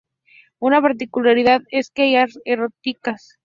Una particularidad es que hay rocas erráticas.